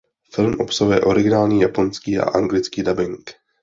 Film obsahuje originální japonský a anglický dabing.